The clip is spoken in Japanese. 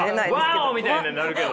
ワオみたいにはなるけど。